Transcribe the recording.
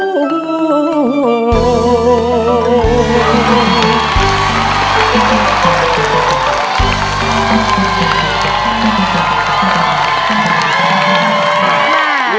ขอบคุณมาก